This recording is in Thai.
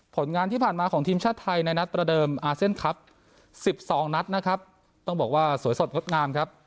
ผลงานที่ผ่านมาของทีมชาติไทยในนัดประเดิมอาเซียนคลับ๑๒นัดนะครับต้องบอกว่าสวยสดงดงามครับ